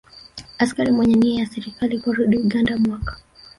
Askari Mwenye Nia ya Serikali Aliporudi Uganda mwaka